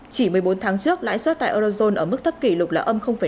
chỉ một mươi bốn tháng trước lãi suất tại eurozone ở mức thấp kỷ lục là năm